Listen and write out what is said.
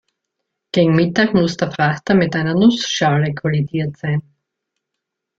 Gegen Mittag muss der Frachter mit einer Nussschale kollidiert sein.